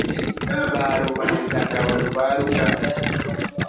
ba ruboneza-ngabo rwa rugaba